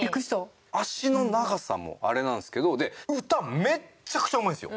足の長さもあれなんですけど歌めっちゃくちゃうまいんですよ。